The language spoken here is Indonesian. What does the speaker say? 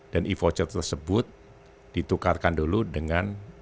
dan e voucher tersebut ditukarkan dulu dengan